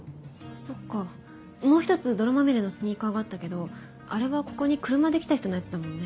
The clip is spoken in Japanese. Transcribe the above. そっかもう１つ泥まみれのスニーカーがあったけどあれはここに車で来た人のやつだもんね。